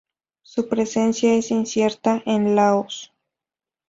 Su presencia es incierta en Laos.